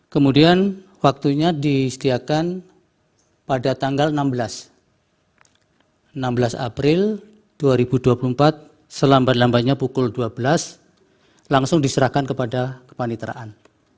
kemudian waktunya disediakan pada tanggal enam belas april dua ribu dua puluh empat selambat lambatnya pukul dua belas langsung diserahkan kepada kepaniteraan